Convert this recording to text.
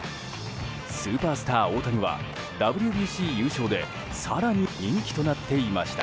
スーパースター、大谷はＷＢＣ優勝で更に人気となっていました。